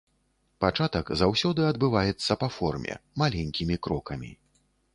Пачатак заўсёды адбываецца па форме, маленькімі крокамі.